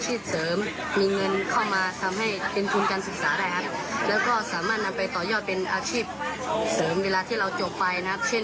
เช่นถ้าละว่างงานอยู่ว่างนี้เราก็สามารถทำตุ๊กกะตางามถ่ายได้